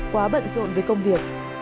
quá bận rộn với công việc